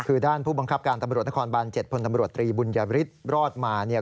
คือด้านผู้บังคับการตำรวจนครบาน๗พลตำรวจตรีบุญยฤทธิ์รอดมาเนี่ย